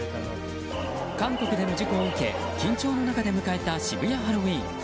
韓国での事故を受け緊張の中で迎えた渋谷ハロウィーン。